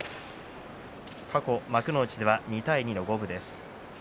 過去、幕内では２対２の五分。